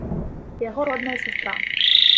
І яго родная сястра.